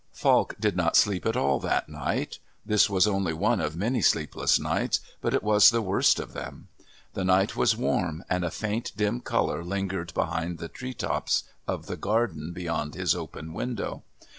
Falk did not sleep at all that night. This was only one of many sleepless nights, but it was the worst of them. The night was warm, and a faint dim colour lingered behind the treetops of the garden beyond his open window.